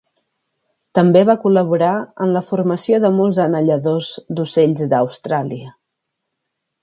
També va col·laborar en la formació de molts anelladors d'ocells d'Austràlia.